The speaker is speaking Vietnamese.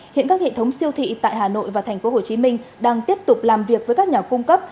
hiện các hệ thống siêu thị tại hà nội và tp hcm đang tiếp tục làm việc với các nhà cung cấp